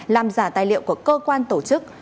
làm giả tài liệu của cơ quan tổ chức